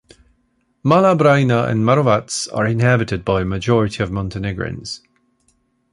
Mala Braina and Marovac are inhabited by a majority of Montenegrins.